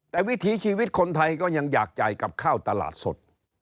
แต่วิถีชีวิตคนไทยก็ยังอยากจ่ายกับข้าวตลาดสด